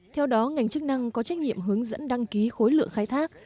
theo đó ngành chức năng có trách nhiệm hướng dẫn đăng ký khối lượng khai thác